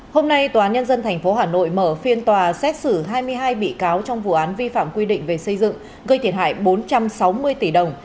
hôm nay tòa án nhân dân tp hà nội mở phiên tòa xét xử hai mươi hai bị cáo trong vụ án vi phạm quy định về xây dựng gây thiệt hại bốn trăm sáu mươi tỷ đồng